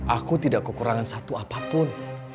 aku tidak kekurangan satu apapun